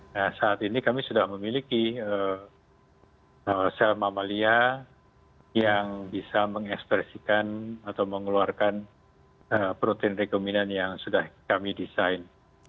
nah saat ini kami sudah memiliki sel mamalia yang bisa mengekspresikan atau mengeluarkan protein rekombinan yang sudah kami desain